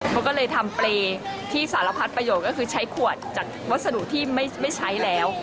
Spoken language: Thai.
เขาก็เลยทำเปรย์ที่สารพัดประโยชน์ก็คือใช้ขวดจากวัสดุที่ไม่ใช้แล้ว